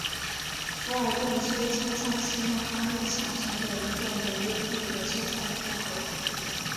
福尔顿街车站是曼哈顿下城的一个纽约地铁车站复合。